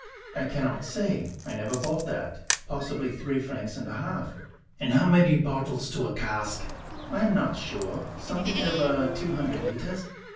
"I cannot say; I never bought that. Possibly three francs and a half." "And how many bottles to a cask?" "I am not sure, something over two hundred litres."